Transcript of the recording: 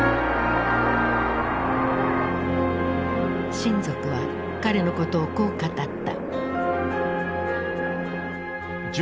親族は彼のことをこう語った。